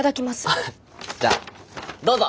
あっじゃあどうぞ。